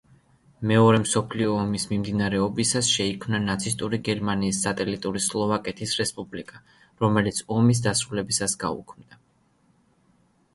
მეორე მსოფლიო ომის მიმდინარეობისას, შეიქმნა ნაცისტური გერმანიის სატელიტური სლოვაკეთის რესპუბლიკა, რომელიც ომის დასრულებისას გაუქმდა.